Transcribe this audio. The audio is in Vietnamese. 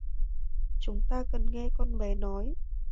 Chúng ta cần nghe con bé nói